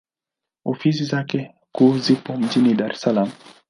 Ofisi zake kuu zipo mjini Dar es Salaam.